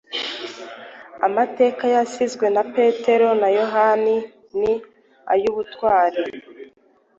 Amateka yasizwe na Petero na Yohana, ni ay’ubutwari